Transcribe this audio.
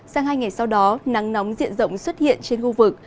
sang hai ngày sau đó nắng nóng diện rộng xuất hiện trên khu vực